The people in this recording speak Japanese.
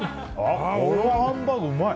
このハンバーグうまい！